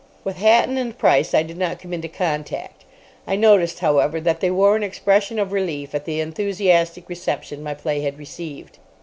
With Hatton and Price I did not come into contact. I noticed, however, that they wore an expression of relief at the enthusiastic reception my play had received.